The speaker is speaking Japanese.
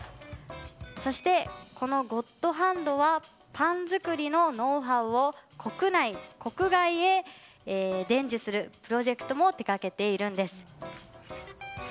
そして、このゴッドハンドはパン作りのノウハウを国内・国外へ伝授するプロジェクトも手掛けているんです。